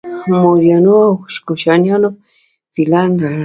موریانو او کوشانیانو فیلان لرل